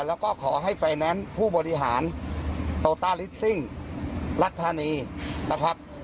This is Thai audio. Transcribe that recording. แล้วก็ขอให้ผู้บริหารโตตาลิสติ้งรักษณีย์นะครับ